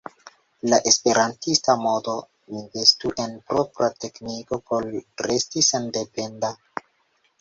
La esperantista mondo investu en propra tekniko por resti sendependa.